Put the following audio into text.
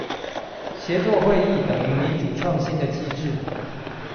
協作會議等民主創新的機制